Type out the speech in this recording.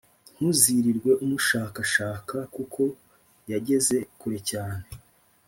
Ntuzirirwe umushakashaka kuko yageze kure cyane,